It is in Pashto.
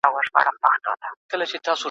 که رنګونه وي نو انځور نه مړاوی کیږي.